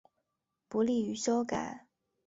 不利于修改